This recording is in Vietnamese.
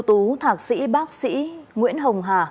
thầy thuốc ưu tiên là tù thạc sĩ bác sĩ nguyễn hồng hà